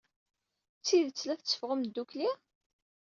D tidet la tetteffɣem ddukkli?